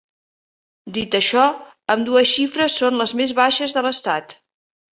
Dit això, ambdues xifres són les més baixes de l'estat.